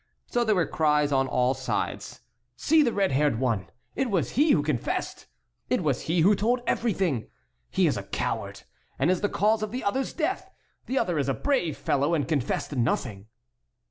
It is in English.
So there were cries on all sides: "See the red haired one! It was he who confessed! It was he who told everything! He is a coward, and is the cause of the other's death! The other is a brave fellow, and confessed nothing."